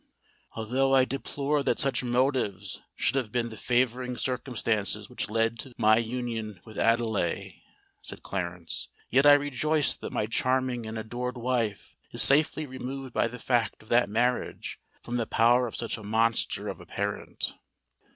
"Although I deplore that such motives should have been the favouring circumstances which led to my union with Adelais," said Clarence, "yet I rejoice that my charming and adored wife is safely removed by the fact of that marriage from the power of such a monster of a parent."